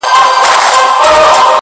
زما او ستا دي له دې وروسته شراکت وي!